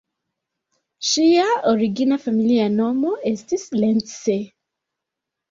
Ŝia origina familia nomo estis "Lencse".